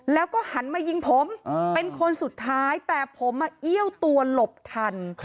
แล้วก็หันมายิงผมเป็นคนสุดท้ายแต่ผมมาเอี้ยวตัวหลบทัน